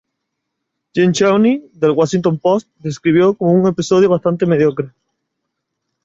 Jen Chaney del "Washington Post" describió como un "episodio bastante mediocre".